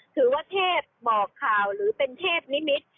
ถือว่าเทพพบอกข่าวหรือเทพนิมิต